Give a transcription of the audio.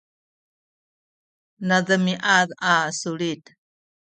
nademiad a sulit